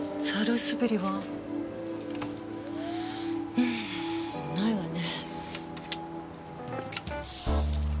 うーんないわね。